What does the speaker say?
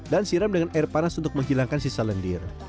dan siram dengan air panas untuk menghilangkan sisa lendir